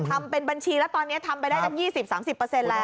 ทำเป็นบัญชีแล้วตอนนี้ทำไปได้ตั้ง๒๐๓๐แล้ว